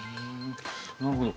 なるほど。